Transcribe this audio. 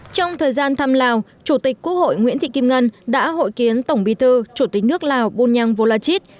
trong thời gian thăm lào chủ tịch quốc hội nguyễn thị kim ngân đã hội kiến tổng bí thư chủ tịch nước lào bunyang volachit